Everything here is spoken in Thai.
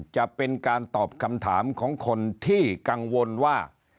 จะเป็นการตอบคำถามของคนที่กังวลว่า